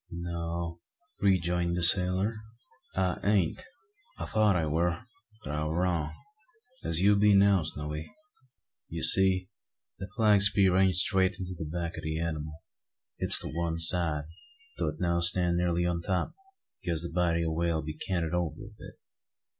"No," rejoined the sailor, "I ain't. I thought I war; but I war wrong, as you be now, Snowy. You see the flag spear ain't straight into the back o' the anymal. It's to one side, though it now stand nearly on top; because the body o' the whale be canted over a bit.